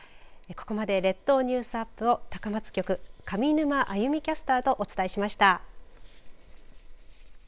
ここまで列島ニュースアップを高松局、上沼亜弓キャスターとお伝えしました。